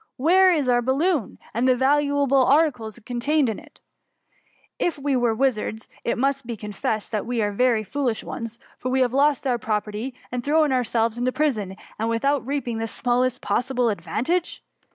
Where' is our baUoon, and the valuable articles it contained? I£ we ate wizards, it must be confessed that we are very foolish ones; for we have lost our property, and thrown ourselves into prison, without reap ing the smallest possible advantage?